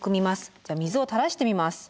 じゃあ水をたらしてみます。